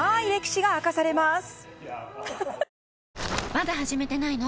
まだ始めてないの？